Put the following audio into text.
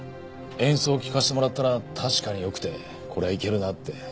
演奏を聴かせてもらったら確かに良くてこれはいけるなって。